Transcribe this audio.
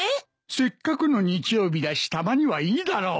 せっかくの日曜日だしたまにはいいだろう。